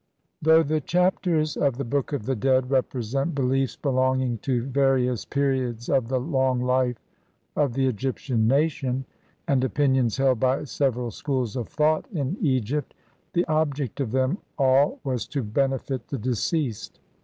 Though the Chapters of the Book of the Dead re present beliefs belonging to various periods of the long life of the Egyptian nation, and opinions held by several schools of thought in Egypt, the object of them all was to benefit the deceased.